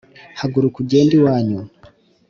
haguruka ugende iwanyu